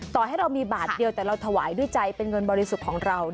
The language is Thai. ต่อให้เรามีบาทเดียวแต่เราถวายด้วยใจเป็นเงินบริสุทธิ์ของเรา